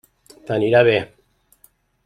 T'anirà bé.